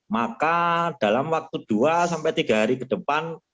maka dalam waktu dua sampai tiga hari ke depan